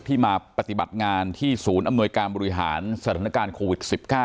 มาปฏิบัติงานที่ศูนย์อำนวยการบริหารสถานการณ์โควิด๑๙